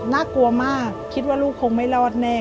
น่ากลัวมากคิดว่าลูกคงไม่รอดแน่